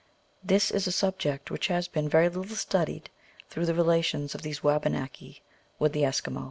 This is a subject which has been very little studied through the rela tions of these Wabanaki with the Eskimo.